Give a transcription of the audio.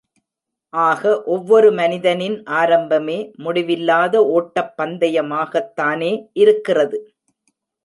ஆக, ஒவ்வொரு மனிதனின் ஆரம்பமே, முடிவில்லாத ஒட்டப் பந்தயமாகத் தானே இருக்கிறது.